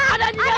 ada anjing galah